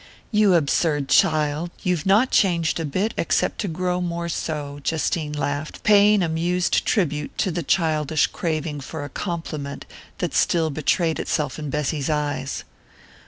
"You absurd child! You've not changed a bit except to grow more so!" Justine laughed, paying amused tribute to the childish craving for "a compliment" that still betrayed itself in Bessy's eyes.